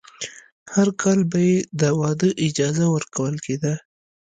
هر کال به یې د واده اجازه ورکول کېده.